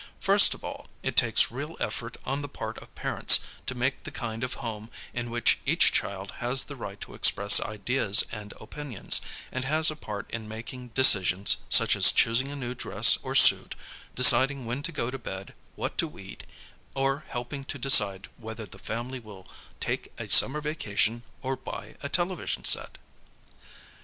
First of all, it takes real effort on the part of parents to make the kind of home in which each child has the right to express ideas and opinions, and has a jiart in making decisions such as choosing a new dress or suit, deciding when to go to bed, what to eat, or helping to decide whether the family will take a summer vacation or buy a television set.